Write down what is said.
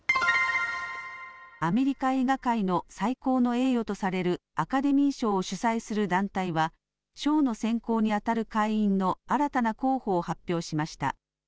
アメリカ映画界の最高の栄誉とされるアカデミー賞を主催する団体は賞の選考にあたる会員の新たな候補を発表しました。